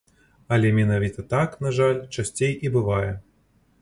Але менавіта так, на жаль, часцей і бывае.